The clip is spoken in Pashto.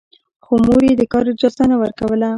خو مور يې د کار اجازه نه ورکوله.